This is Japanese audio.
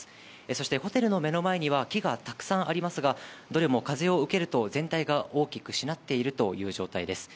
そして、ホテルの目の前には木がたくさんありますが、どれも風を受けると、全体が大きくしなっているという状態です。